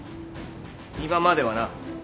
今まではな。